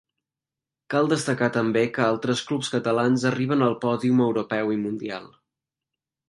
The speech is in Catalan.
Cal destacar també que altres clubs catalans arriben al pòdium europeu i mundial.